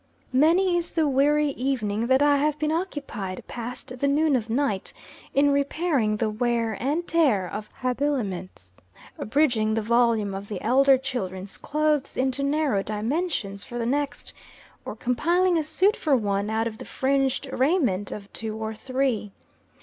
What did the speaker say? Many is the weary evening that I have been occupied, past the noon of night, in repairing the wear and tear of habiliments abridging the volume of the elder children's clothes into narrow dimensions for the next, or compiling a suit for one, out of the fringed raiment of two or three.